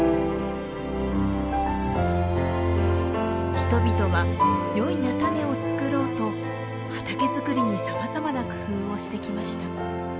人々はよい菜種を作ろうと畑づくりにさまざまな工夫をしてきました。